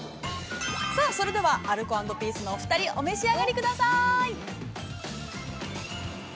◆さあ、それではアルコ＆ピースのお２人、お召し上がりください。